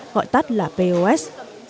gọi tắt là pos